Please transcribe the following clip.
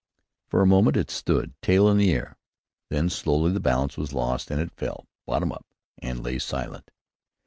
For a moment it stood, tail in air; then slowly the balance was lost, and it fell, bottom up, and lay silent.